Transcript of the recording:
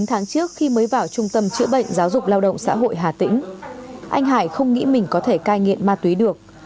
chín tháng trước khi mới vào trung tâm chữa bệnh giáo dục lao động xã hội hà tĩnh anh hải không nghĩ mình có thể cai nghiện ma túy được